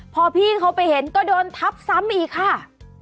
พอพี่เขาไปเห็นก็โดนทับซ้ำอีกค่ะ